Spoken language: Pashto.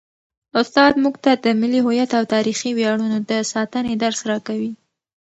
استاد موږ ته د ملي هویت او تاریخي ویاړونو د ساتنې درس راکوي.